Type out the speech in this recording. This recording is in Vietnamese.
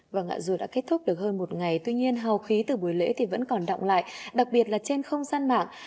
và ngùa đã kết thúc được hơn một ngày tuy nhiên hào khí từ buổi lễ thì vẫn còn động lại đặc biệt là trên không gian mạng